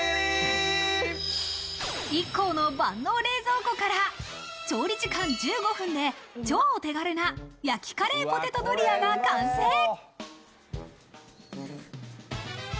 ＩＫＫＯの万能冷蔵庫から、調理時間１５分で超お手軽な焼きカレーポテトドリアが完成。